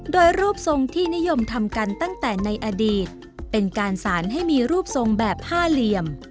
โดยรูปทรงที่นิยมทำกันตั้งแต่ในอดีตเป็นการสารให้มีรูปทรงแบบห้าเหลี่ยม